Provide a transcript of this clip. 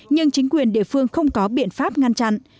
nhưng chính quyền địa phương không có biện pháp ngăn chặn